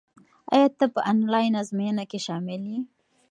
ایا ته په انلاین ازموینه کې شامل یې؟